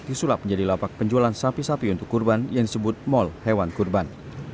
disulap menjadi lapak penjualan sapi sapi untuk kurban yang disebut mall hewan kurban